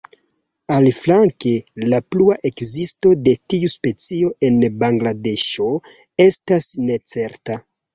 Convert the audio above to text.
Aliflanke la plua ekzisto de tiu specio en Bangladeŝo estas necerta.